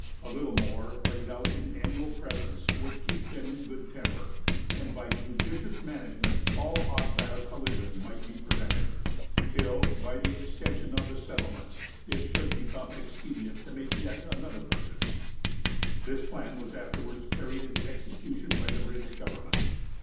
A little more, laid out in annual presents, would keep them in good temper; and by judicious management all hostile collision might be prevented, till, by the extension of the settlements, it should become expedient to make yet another purchase. This plan was afterwards carried into execution by the British government.